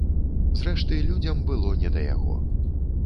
Зрэшты, людзям было не да яго.